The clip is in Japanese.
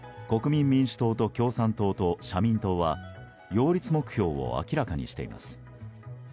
国民民主党と共産党と社民党は擁立目標を明らかにしています。